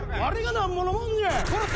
なんぼのもんじゃい！